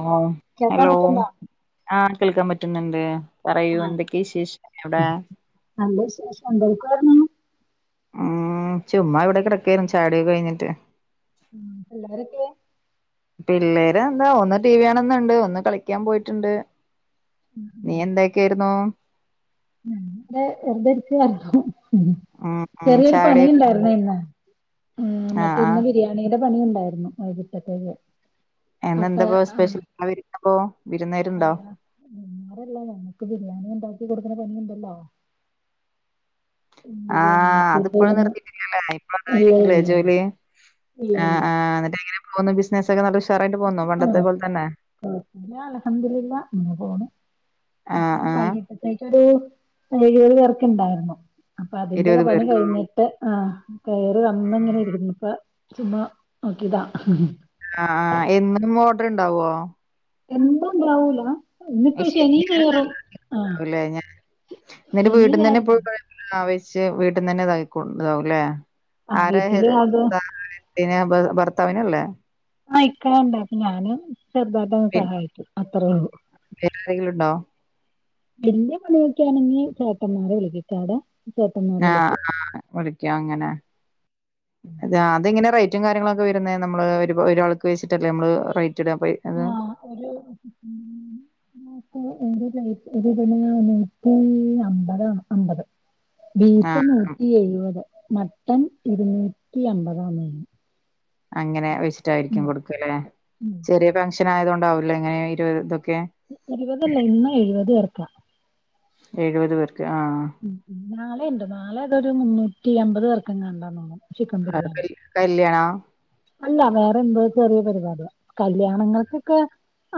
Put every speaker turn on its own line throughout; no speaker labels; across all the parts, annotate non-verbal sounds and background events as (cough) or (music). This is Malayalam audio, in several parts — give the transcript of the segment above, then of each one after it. ഓ
കേൾക്കാൻ
ഹലോ
പറ്റണ്ടോ
ആ കേൾക്കാൻ പറ്റുന്നുണ്ട് പറയൂ
ആ
എന്തൊക്കെയ വിശേഷ എവിടെ
നല്ല വിശേഷം എന്തെടുക്കുവായിരുന്നു
ഉം ചുമ്മാ ഇവിടെ കിടക്കായിരുന്നു ചാടിയൊക്കെ കഴിഞ്ഞിട്ട്
ഉം എല്ലാവർക്ക
പിള്ളേര് എന്താ ഒന്ന് ടി വി ആണന്നുണ്ട് ഒന്ന് കളിക്കാൻ പോയിട്ടുണ്ട് നീ എന്തൊക്കെയായിരുന്നു
(unintelligible) ഉം
ഉം ഉം
ചെറിയൊരു
ചായുടി
പണിയുണ്ടായിുന്ന ഇന്ന് ഉം മറ്റ
ആഹ് ആഹ്
ഇന്ന് ബിരിയാണി പണിയുണ്ടായിരുന്നു വൈകിട്ടത്തേക്ക്
എന്തെന്താ സ്പെഷ്യൽ (unintelligible)
അല്ല (unintelligible) നക്ക് ബിരിയാണി ഉണ്ടാവ കൊടുക്കുന്ന പണിയുണ്ടല്ലോ
ആ അതിപ്പോഴും നിർത്തിട്ടില്ലല്ലേ ഇപ്പഴ
ഇല്ല
എന്തായിങ്കിലേ
ഇല്ല
ജോലി
ഇല്ല
ആ ആ എന്നിട്ട്ങ്ങനെ പോുന്നു ബിസിനസ്സ ഒക്കെ നല്ല ഉഷാറായിട്ട് പോകന്നുന്നു പണ്ടത്തെ പോലെ തന്നെ
കുഴപ്പില്ല അൽഹംദുലില്ലാഹ് അനെ പോണ്
ആഹ്
അന്ന്
ആഹ്
വൈകിട്ടത്തേക്ക് എ ഏയ് പേർക്ക് ഇണ്ടായിരുന്നു അപ്പൊ അതിന്റെക്കെ
ഇരുപത്
പണി
പേർക്ക്
കഴിഞ്ഞിട്ട് ആ കേറി വന്നു ഇരുന്നപ്പോ ചുമ നോക്കിയതാ
ആ ആ എന്നും ഓഡർ ഇണ്ടാവോ
എന്താണ്ടാവൂല ഇന്നിപ്പോ ശനി ഞായറും ആഹ്
ല്ലേ ഞാൻ (unintelligible)
ശനി ഞായറും
ചെ വീട്ടന്ന് തന്നെ (unintelligible)
ആഹ്
ആര
വീട്ടില് അത്
പിന്നെ ബെർ ഭർത്താവിനല്ലേ
ആ ഇക്ക ണ്ട് കി ഞാന് ചെറുതായിട്ട്
പിന്നെ
സഹായിക്കും അത്രയുള്ളൂ
വേറെ ആരെങ്കിലും ഉണ്ടോ
വല്ല്യ പണി ക്കെ യാണങ്കിൽ ചേട്ടന്മാരെ വിളിക്കിക്കാടാ
ആ ആ വിളിക്ക അങ്ങനെ അത അത് ഇങ്ങനെ റേറ്റും കാര്യങ്ങളുംൊക്കെ വരുന്ന നമ്മള് ഒരാൾക്ക് വെച്ചിട്ടല്ലേ നമ്മള് റൈറ്റ്
ആ ഒരു ന (unintelligible) ഒരു ഇതിന് ഒ ന്നൂറ്റി അമ്പതാണ് അമ്പത് ബീഫ്
ആഹ്
നൂറ്റി എഴുപത് മട്ടൻ ഇരുന്നൂറ്റി അമ്പതാം മീ
അങ്ങനെ വെച്ചിട്ടായിരിക്കും കൊടുക്ക അല്ലെ ചെറിയ ഫങ്്ഷൻ ആയത കൊണ്ടാവൂലോ ഇങ്ങനെ ഇരുപത്
ഇരുപതല്ല ഇന്ന എഴുപത പേർക്കാ
ഏഴുപത് പേർ
ഉം നാളെ ഇണ്ട് നാളെ അതൊരു മുന്നൂറ്റി അമ്പത് പേർക്ക്ങ് കണ്ടന്നോന്നു
ആ കല്യാണം
അല്ല വേറെന്തോ ചെറിയ പരിപാടിയാ കല്യാണങ്ങൾക്കൊക്കെ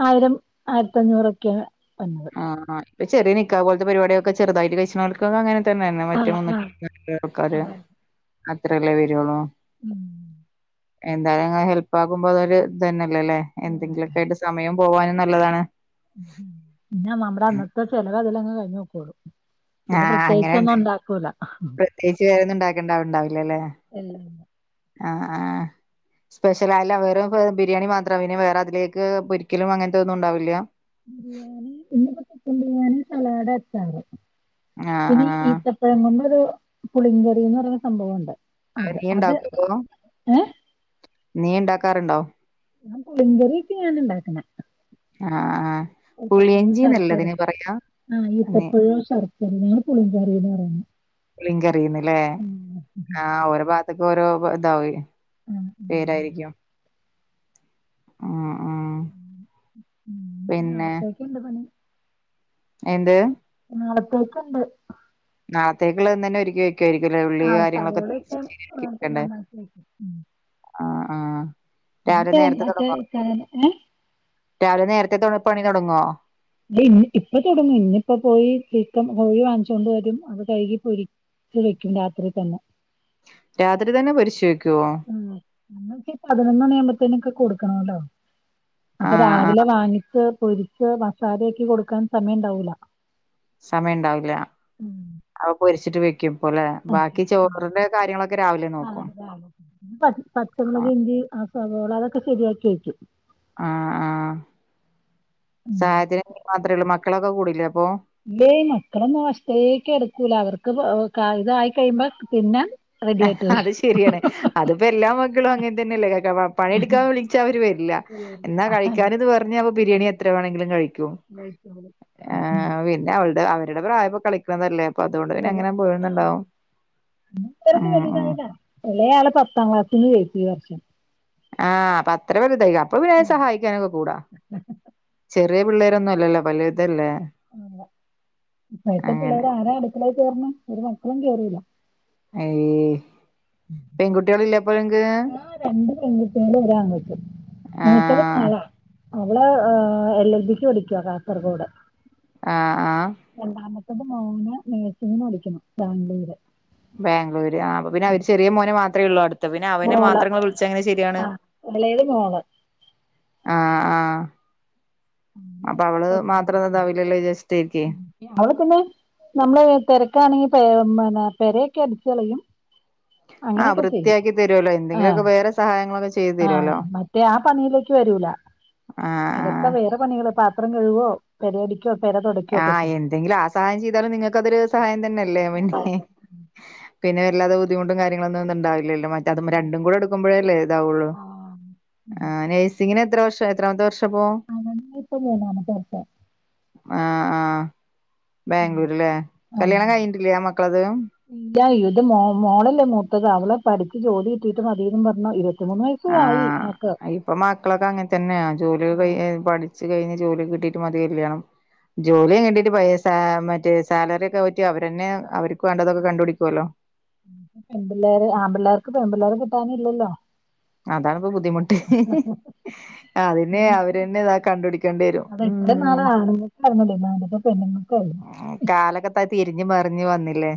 ആയിരം ആയിരത്തഞ്ഞൂറൊക്കെയാ. വന്നത്
ആഹ് ഇപ്പ ചെറിയ നിക്കാഹ് പോലത്തെ പരിപാടിയൊക്കെ ചെറുതായിട്ട് (unintelligible) അങ്ങനെ തന്നെ തന്നെ മറ്റേ
ആഹ് ആഹ്
(unintelligible) ആൾക്കാര്
അതെ
അത്രയല്ലേ വരുള്ളൂ.
ഉം
എന്തായാലും അങ്ങ് ഹെൽപ്പ് ആകുമ്പോ അതൊരു ഇത് തന്നെല്ലെ ല്ലെ? എന്തെങ്കിലുമൊക്കെ ആയിട്ട് സമയം പോവാനും നല്ലതാണ്.
പിന്നെ നമ്മുടെ അന്നത്തെ ചെലവ് അതിലങ്ങ് കഴിഞ്ഞ് പൊക്കോളും, പിന്നെ
ആഹ്
പ്രത്യേകിച്ചൊന്നും
അങ്ങനെണ്ട്
ഒണ്ടാക്കൂല.
പ്രത്യേകിച്ച് വേറെന്നും ഉണ്ടാക്കേണ്ടാവണ്ടാവില്ലല്ലേ.
എല്ലാം
ആ ആഹ് സ്പെഷ്യലായാല അവര് ബിരിയാണി മാത്രം പിനെ വേറെ അതിലേക്ക് പൊരിക്കലും അങ്ങൻത്തെ ഒന്നും ഉണ്ടാവില്ല
ബിരിയാണി പിന്നപ്പോ ചിക്കൻ ബിരിയാണി സലാഡ് അച്ചാറ്
ആഹ്
പിന്നെ
ആഹ്
ഈത്തപ്പഴം കൊണ്ടൊരു പുളിങ്കറീന്ന് പറഞ്ഞ സംഭവമുണ്ട് അത്
നീ
അത്
ഉണ്ടാക്കോ അപ്പൊ
ഏ
നീ ഇണ്ടാക്കാറ്ണ്ടോ
ഞാൻ പുളിങ്കറീപ്പ ഞാൻ ഇണ്ടാക്കിണെ
ആ ആ
ശർക്കരേം
പുളിയിഞ്ചിന്നല്ലതിന് പറയാ
ആഹ്
ന്നെ
ഇത്തപ്പഴോ ശർക്കരേം പുളിങ്കറീന്ന് പറയുന്നത്
ലിങ്കറിയുന്നില്ലേ ആഹ് ഓരെ ഭാത്ത്- ഓരോ വ ഇതാവും
ആഹ് ഉം
പേരായിരിക്കും ഉം ഉം
ഉം
പിന്നെ
നാളത്തേക്കുണ്ട് പണി
എന്ത്
നാളത്തേക്കുണ്ട്
നാളാത്തേക്ക്ള്ളത് ഇന്നന്നെ ഒര്ക്കി വേ ആരിക്കല്ലേ ഉള്ളി
ആഹ്
കാര്യങ്ങളൊക്കെ
സവോളയൊക്കെ ആ,
(unintelligible)
ഇപ്പൊ
അല്ലേ
നന്നാക്കി വെക്കും
ആഹ് ആ
ഇപ്പ മറ്റേ കന ഏഹ്
രാവിലെ നേരത്തെ തൊട പണി തൊടങ്ങോ
ത്യേ (unintelligible) ഇപ്പൊ തൊടങ്ങും ഇന്ന്പ്പോ പോയി ചിക്കം പോയി വാങ്ങിച്ചോണ്ട് വെരും അത് കഴികി പൊരി വെക്കും രാത്രി തന്നെ
രാത്രി തന്നെ പൊരിച്ചുവെക്ക്
അഹ് അന്നൊക്കെ ഇ പതിനൊന്ന് മണി ആവുമ്പത്തേനൊക്കെ കൊടുക്കെണോ ലൊ അപ്പൊ
ആഹ്
രാവിലെ
ആഹ്
വാങ്ങിച്ച് പൊരിച്ച് മസാല ആക്കി കൊടുക്കാൻ സമയണ്ടാവൂല
സമയംണ്ടാവില്ല അവ പൊരിച്ചിട്ട് വെ ക്കും പോലെ
ഓക്കെ
ബാക്കി ചോറിന്റെ കാര്യങ്ങളൊക്കെ രാവിലെ
ആഹ്
നോക്കും
രാവിലെ പ
ആഹ്
പച്ചമുളകിഞ്ചി അസവോള അതൊക്കെ ശരിയാക്കിവെക്കും
ആഹ് ആഹ്
ഉം.
സാഹച (unintelligible) ര്യ മാത്രേ ഒള്ളൂ മക്കളൊക്കെ കൂടിലെ
ഏയ് മക്കളൊന്നും വശത്തേക്ക്ടുക്കൂല അവർക്ക് ഇതായി കഴിയുമ്പോ പിന്ന
അത് ശെരിയാണ് അത്പ്പ എല്ലാ മക്കളും അങ്ങനെ തന്നെയല്ലേ (unintelligible) പണിയെട്ക്കാൻ വിളിച്ചാ അവര് വര്ല്ല എന്നാ കഴിക്കാനിന്ന് പറഞ്ഞ ബിരിയാണി എത്ര വേണെങ്കിലും കഴിക്കും ആ പിന്ന അവൾട അവ അവള്ടെ പ്രായപ്പോ കളിക്കിണതല്ലേ അപ്പൊ അതുകൊണ്ട് തന്നെ എങ്ങനെ പോയന്നുണ്ടാവും
(unintelligible) എളേ ആള് പത്താം ക്ലാസ്സിന്ന് കേറ്റി ഈ വർഷം
ആഹ് അപ്പൊ അത്ര വെലുതായി അപ്പൊ പിന്നെ സഹായിക്കാനൊക്കെ കൂടാ ശെരി ചെറീയ പിള്ളേരോന്നല്ലല്ലോ വല്ല്തല്ലേ
അ ഇപ്പഴത്തെ
അങ്ങനെ
പിള്ളേര് ആരാ അടുക്കളേൽ കേറുന്നേ ഒരു മക്കളും കേറൂല്ല
ഏയ് പെൺകുട്ട്യേള്ല്ലെ ഇപ്പ (unintelligible) ഴൻങ്ങക്ക്
പെൺകുട്ട്യേള്ള് ഒരാൺകുട്ടി ഞങ്ങ്ക്ക്
ആഹ്
മോളാ അവള് ഏ എൽ എൽ ബിക്ക് പടിക്കുവ കാസർഗോട്
ആഹ് ആഹ്
രണ്ടാമത്തത് മോന നഴ്സിംങ്ങിനു പഠിക്കുന്നു ബാംഗ്ലൂര്
ബാംഗ്ലൂര് ആഹ് അപ്പപിന്നെ അവര് ചെറിയ മോനെ മാത്രേ യൊള്ളൂ അടുത്ത് പിന്നെ അവനെ
മോള്
മാത്രങ്ങള് വിളിച്ചാങ്ങനെ ശരിയാവണ്
ആഹ് എളയത് മോള്.
ആഹ് ആഹ് അപ്പ അവള്
പത്താം
മാത്രം
ക്ലാസ്.
ഇതാവില്ലെല്ലൊ വി
അവള് പിന്നെ നമ്മള് തെരക്കാണെങ്കി പേ മന പെര്യെക്കെ അടിച്ചളയും
ആഹ് വൃത്തിയാക്കി തരോല്ലൊ എന്തെങ്കിലൊക്കെ വേറെ സഹായങ്ങളൊക്കെ ചേ
ആ മറ്റേ ആ പണയിലേക്ക് വരൂല
ആഹ് ആഹ്
അകത്ത വേറെ പണിയൊക്കെ പാത്രം കഴുകുവോ പേരേടി
ആഹ് എന്തെങ്കിലും ആ സഹായം ചെയ്താലും നിങ്ങൾക്ക് അതൊരു സഹായം തന്നെല്ലേ പിന്നെ പിന്നെ വല്ലാതെ ബുദ്ധിമുട്ടും കാര്യങ്ങളൊന്നും ണ്ടാവി ഇല്ല ഇല്ല മറ്റ രണ്ടും കുട എടുക്കുമ്പോഴല്ലേ ഇതാവുള്ളൂ,
ആഹ്
ആ നഴ്സിംഗിന് എത് ത്ര വർഷ് എത്രാമത്തെ വർഷ്
ആ (unintelligible) ഇപ്പോ പോലാണ് ചേർച്ച.
ആ ആഹ് ബാംഗ്ലൂര്ല്ലേ
ആഹ്
കല്യാണം കഴിഞ്ഞിട്ടില്ല മക്കളത്.
ഇല്ല ഇത് മോ മോളല്ലേ മൂത്തത് അവളെ പഠിച്ച് ജോലി കിട്ടിട്ടും അധികം (unintelligible)
ആ ഇപ്പോ മക്കളൊക്കെ അങ്ങനെ തന്നെയ ജോലി
ആ,
ഒക്കെ കയി എ പഠിച്ചു കഴിഞ്ഞി ജോലി കിട്ടിട്ട് മതി കല്യാണം ജോലി കിണ്ടിട്ട് പയെ സാ മറ്റേ സാലറി ഒക്കെ പറ്റി അവരന്നെ അവര്ക്
പെൺപിള്ളേര് ആമ്പിള്ളേർക്ക് പെമ്പിള്ളേരെ കിട്ടാൻ ഇല്ലല്ലോ.
അതാണിപ്പ ബുദ്ധിമുട്ട്, അതിനെ
ഇനിയിപ്പോ
അവര്ന്നെ ഇതാ കണ്ടുപിടിക്കേണ്ടി വരും.
അത് ഇത്ര നാള്
ഉം
ആണുങ്ങക്കായിരുന്നല്ലേ (unintelligible) പെണ്ണുങ്ങൾക്കായല്ലേ.
കാലൊക്കെ ത തിരിഞ്ഞ് മറിഞ്ഞ് വന്നില്ലേ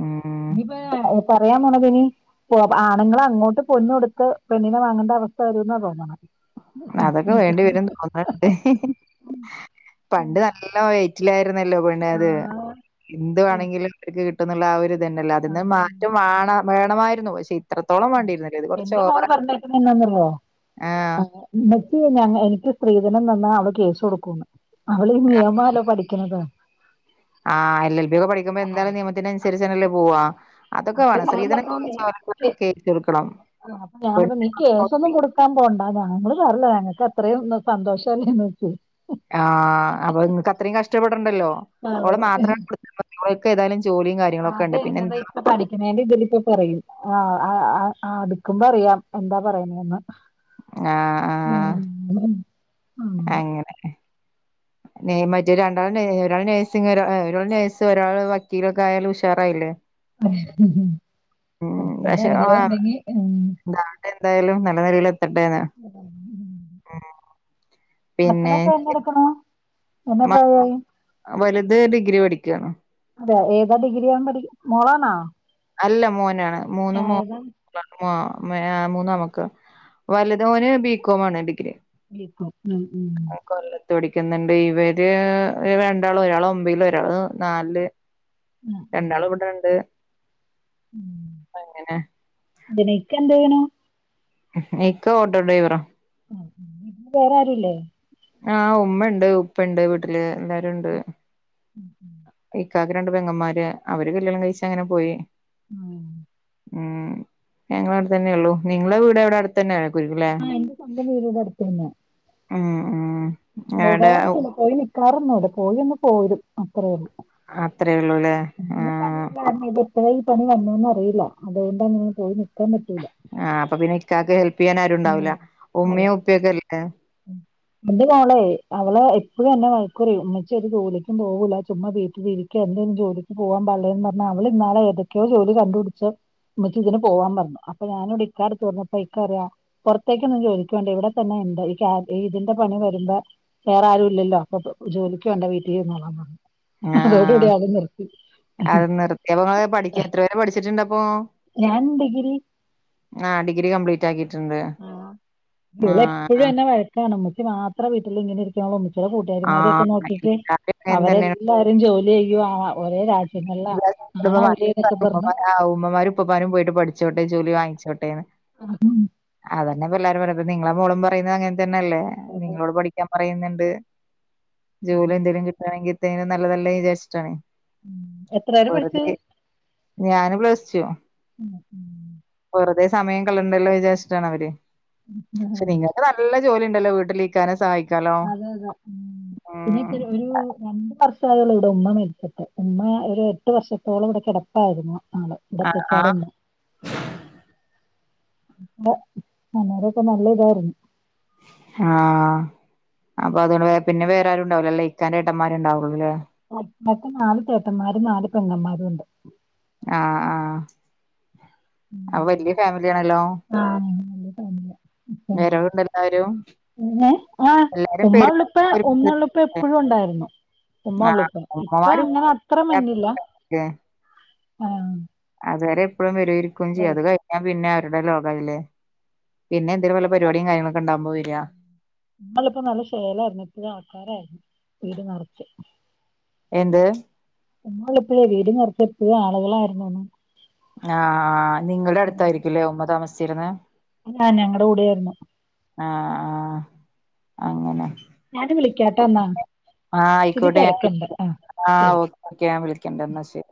ഉം
പറയാ (unintelligible) പോ ആണുങ്ങള് അങ്ങോട്ട് പൊന്ന് കൊടുത്ത് പെണ്ണിനെ വാങ്ങേണ്ട അവസ്ഥ വരൂന്ന തോന്നണ.
അതൊക്കെ വേണ്ടിവരും തോന്നുന്നുണ്ട് പണ്ട് നല്ല വെയ്റ്റില ല്ലോ പിന്നെ
ആ,
അത് എന്ത്‌
ആ,
വേണങ്കിലും അവർക്ക് കിട്ടുന്നുള്ള ആ ഒരു തന്നല്ലോ അതിന്ന്
അതെ.
മാറ്റം വാണ വേണമായിരുന്നു ഷേ ഇ
എന്റെ മോള് പറഞ്ഞേക്കുന്ന എന്താന്നറിയുവോ
ആഹ്
(unintelligible) (unintelligible) എനിക്ക് സ്ത്രീധനം തന്നാ അവള് കേസ് കൊടുക്കുന്ന് അവള് ഈ നിയമല്ലോ പഠിക്കണത്.
ആ എൽ എൽ ബി ഒക്കെ പഠിക്കുമ്പോ എന്താണെലും നിയമത്തിനനുസരിച്ച് എന്നെല്ല പോവാ. അതൊക്കെ വേണം
ഞാൻ
ശ്രീധനെ
പറഞ്ഞോന്നേ
(unintelligible) കേസെടുക്കണം.
ആ അപ്പ ഞാൻ പറഞ്ഞ് നീ കേസ് ഒന്നും കൊടുക്കാൻ പോണ്ട (unintelligible) നിങ്ങള് പറഞ്ഞില്ല ഞങ്ങക്ക് അത്രയും ഒന്നും സന്തോഷല്ലേന്ന് (unintelligible)
ആഹ് അപ്പോ നിങ്ങക്ക് അത്രയും കഷ്ടപ്പെടണ്ടല്ലോ ഓള് മാത്ര (unintelligible) ഏതായാലും ചെ
അത എന്നത ഇപ്പ പഠിക്കുന്നേന്റെ ഇതില് ഇപ്പ പറയും, ആ ആ ആ ആ ആ അടുക്കുമ്പോ അറിയാം എന്താ പറയണേന്ന്.
ആ ആ അങ്ങനെ നേ മറ്റേ രണ്ടാൾ നേ ഒരാൾ നേഴ്സിംഗ്‌ ഒരാ ഒരാൾ നേഴ്സ് ഒരാള് വക്കീലൊക്കെ ആയാലും ഉഷാറായില്ലേ.
(unintelligible)
ഉം പക്ഷെ
ആരെങ്കിലോ ഒണ്ടെങ്കി (unintelligible)
എന്താവട്ടെ എന്തായാലും നല്ല നെലയിലെ
മക്കളൊക്കെ എന്ന എടുക്കണു.
വ വലുത് ഡിഗ്രി പഠിക്കാണ്.
അതെ ഏതാ ഡിഗ്രിയാണ് പഠി മോളണോ?
അല്ല മോനാണ്, മൂന്നും മോ (unintelligible) (unintelligible) മൂന്ന നമുക്ക് വലുതോന് ബികോമാണ് ഡിഗ്രി.
ബികോം
ഓ കൊല്ലത്ത് പഠി ക്കുന്നുണ്ട്, ഇവര് രണ്ടാളോ ഒരാള് ഒമ്പല് ഒരാള് നാലല്. രണ്ടാള് ഇവിടെണ്ട്. അങ്ങനെ
മ് (unintelligible)
ഇക്ക ഓട്ടോ ഡ്രൈവറ.
ആ മ് വേറെ ആരുല്ലേ?
ആഹ് ഉമ്മ ഇണ്ട് ഉപ്പ ഇണ്ട് വീട്ടില് എല്ലാരും ഉണ്ട്, ഇ കാക്കക്ക് രണ്ട് പെങ്ങന്മാര് അവര് കല്യാണം കഴിച്ച അങ്ങനെ പോയി
ഉം
ഉം ഞങ്ങള അവിടെ തന്നെ ഉള്ളു നിങ്ങളെ വീട് എവിടെ അടുത്ത് തന്നെ ആയിും
ആഹ എന്റെ സ്വന്തം വീടടെ അടുത്ത തന്നെ
ഉം ഉം അവിടെ
പോകാറ പോയി നി കറന്നൂട പോയി ഒന്ന് പോരും അത്രയേള്ളൂ
അത്രേ ഉള്ളൂല്ലേ ആ
ഇപ്പോഴ ഈണിന്നുന്ന് അറിയില്ല അതുകൊണ്ടാണ്ങ്ങനെ പോയി നി
ആഹ് അപ്പൊ പിന്നെ ഇക്കക്ക് ഹെൽപ് ചെയ്യാൻ ആരുും ഉണ്ടാവില്ല
ഉം. അതെ
ഉമ്മോ ഉപ്പയൊക്കെല്ലേ
എന്റെ അവളെ അവളെ എപ്പഴ തന്നെ വഴക്കൂറ ഉന്നച്ച ഒരു ജോലക്കും പോകില്ല ചുമ് വീട്ട വീ എക്ക് എന്ത ജോലിക്ക് പോവാൻ പള്ളയന്ന് പറഞ്ഞാ അവള് ഇന്നാലെ ഏതൊെയ ജോലി കണ്ടുപടിച്ചച്ച് നമുക്ക് ഇതിന് പോവാൻ പറഞ്ഞു അപ്പൊ ഞാനിവിടെ ഇക്കടുത്ത് പറഞ്ഞപ്പോ ഇക്കറിയ പുറത്തേക്കൊന്ന ചോദിക്കുേണ്ട ഇവിടെത്തന്നെ എന്താ ഇതിന്റെ പണി വരുമ്പോ വേറെ ആരും ഇല്ലല്ലോ അപ്പൊ ജോലിക്ക് വേണ്ട വീട്ടിൽന്നോാ പറഞ്ഞു
ആഹ അത് നിൃത്തയപങ്ങള പഠിക്കൻ എത്ര പേരെ പഠിച്ചിട്ടുണ്ട അ
ഞാൻ ഡിഗ്രി
ആ ഡിഗ്രി കംപ്ലീറ്റ് ആക്കിട്ട
ആ ഇള എപ്പോഴും എന്നന്നെ വഴക്കാണ് നമ്മക്കി മാത്രം വീട്ടിൽ ഇങ്ങനെ ഇരിക്കുള്ള ച കൂട്ടുകാരിമാരൊക്കെ
ആഹ്
നോക്കി്
എല്ലാരും അങ്ങനെ തന്നെയാണ്
അവരെല്ലാരും ജോലി ചെയ്യും ഒരേ രാജ
ഉ ഉമ്മമാരും ഉപ്പമാരും പോയിട്ട് പഠിച്ചോട്ടെ ജോലി വാങ്ങിച്ചോട്ടെന്ന്
ആ
അതതന്നെ പില്ലരും പറഞ്ഞപ്പ നിങ്ങളെ മോളും പറയുന്നത് അങ്ങനെ തന്നെയല്ലേ നിങ്ങളോട് പഠിക്കാൻ പറയുന്നുണ്ട് ജോലി എന്തെങ്കലും കിട്ടുകണെങ്കിൽ ഇേും നല്ല വിചാച്ചണ
ഉ എത്ര പേര് പഠിച്ചത്
ഞാന് പ്രസിച്ചു
ഉം ഉ
വെറുത സമയം കളേണ്ടല്ലോ വിചാരിച്ചിട്ടാണ് അവര്
ആഹ
ജോല ഉണ്ടല്ലോ വീട്ടിലേക്കാനെ സഹക്കും
അതെ അതെ ഉ പിന്നെ ഒരു രണ്ട് വർഷം അൾ ഇവിടെ ഉമ്മ മേടിച്ചിട്ട് ഉമ്മ ഒരു എട്ട് വർഷത്തോളം ഇവിടെ കിടപ്പായിരുന്നു ആണ
ആ
ഇത്തി
ആ
കടന്ന് അ അന്നേരൊക്കെ നല്ല ഇതായിരുന്നു
ആഹ അപ്പൊ അതുകൊണ്ട് പിന്നെ വേറെ ആരുുംണ്ടാവലോ ല ഇക്കാന്റെ ചേട്ടന്മാര്ണ്ടാവുള്ളൂല്ലേ
ഇൊക്കെ നാലല് ചേട്ടന്മാരും നാല് പെണ്ങ്ങന്മാരും ഉണ്ട്
ആഹ ആഹ അൊ
ഉം.
വലിയ ഫാമിലിയാണല്ലോ
ഉ തഞ്ഞ
വരണ്ട് എല്ലാരും
െ ആ
പെരുന്നാക്ക്
ഉമ്മള്ളുപ്പ
ഒരുമിച്ച്
ഉമ്മള്ളുപ്പ എപ്പോഴും ഉണ്ടായിരുന്നു ഉമ്മ
ആഹ്
ഉള്ളൂപ്പ ഇപ്പ
ഉമ്മമാരും
അങ്ങനെ അത്ര മന്നില്ല
ഉപ്പയൊക്കെ
ആഹ
അതുവരെ എപ്പോഴും വര ഇരിക്കയും ചെയ്യും അത് കഴിഞ്ഞാ പിന്നെ അവരുടെല്ലോ ല്ലേ പിന്നെ എന്തേലും വല്ല പരിപാടിയും കാര്യങ്ങളൊക്കെ ഉണ്ടാവകുമ്പോയി വരിക
നാലിപ്പോ നല്ല ശേലായിരുന്നു ഇപ്പ ആൾക്കാരായിരുന്നു വീട് നിറച്ച്
എന്ത്
നമ്മൾിപ്പോഴേ വീട നിറച്ച ഇപ്പ ആളുകളായിുന്ന
ആ ആ നിങ്ങളുടെ അടുത്തായിരിക്കല്ലേ ഉമ്മ താമസിച്ചിന്ന്
ഞാൻ ഞങ്ങളടെ കൂടൊയിരുന്നു
ആഹ് അങ്ങനെ
ഞാനത് വിളിക്കാട്ടാ എന്നന്നാ
ആഹ ആയിക്കോട്ടെ ഞാ
ശരി
ആഓ ഓെ ഞാൻ വിളിക്കണ്ട എന്നാ ശരി